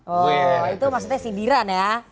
oh itu maksudnya sindiran ya